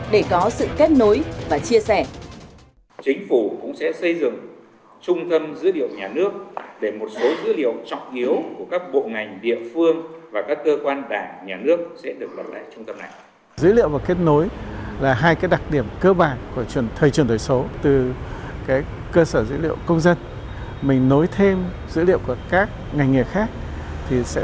để có sự kết nối và chia sẻ